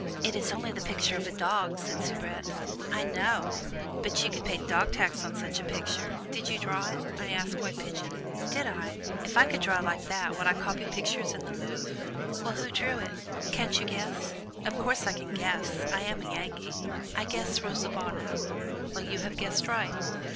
"It is only the picture of a dog," said Soubrette. "I know; but you should pay dog tax on such a picture did you draw it?" I asked White Pigeon. "Did I! If I could draw like that, would I copy pictures in the Louvre?" "Well, who drew it?" "Can't you guess?" "Of course I can guess. I am a Yankee I guess Rosa Bonheur." "Well, you have guessed right."